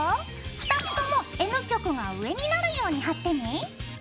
２つともＮ極が上になるように貼ってね。